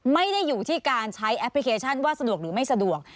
ไม่ได้อยู่ที่การใช้แอปพลิเคชันว่าสะดวกหรือไม่สะดวก